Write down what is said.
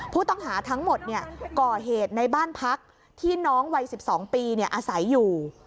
ผู้ต้องหาทั้งหมดก่อเหตุในบ้านพักที่น้องวัย๑๒ปีอาศัยอยู่